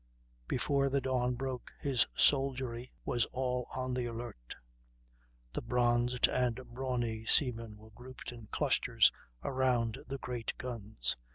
Before the dawn broke his soldiery was all on the alert. The bronzed and brawny seamen were grouped in clusters around the great guns.